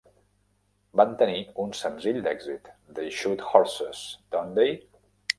Van venir un senzill d'èxit, "They Shoot Horses, Don't They?".